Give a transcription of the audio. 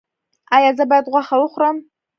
ایا زه باید غوښه وخورم؟